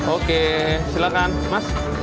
oke silakan mas